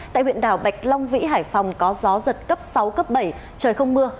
tại huyện đảo bạch long vĩ hải phòng có gió giật cấp sáu cấp bảy trời không mưa